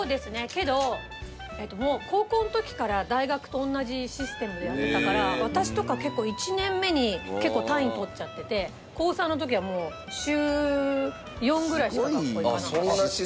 けどもう高校の時から大学と同じシステムでやってたから私とか１年目に結構単位取っちゃってて高３の時はもう週４ぐらいしか学校行かなかった。